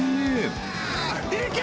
いけ！